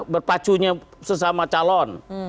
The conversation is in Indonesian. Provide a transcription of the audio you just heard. berpacunya sesama calon